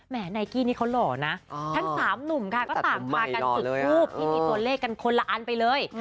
ไนกี้นี่เขาหล่อนะทั้งสามหนุ่มค่ะก็ต่างพากันจุดทูปที่มีตัวเลขกันคนละอันไปเลย